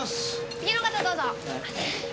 次の方どうぞ。